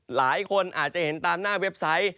หลายคนอาจจะเห็นตามหน้าเว็บไซต์